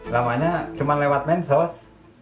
lamanya cuma lewat mensos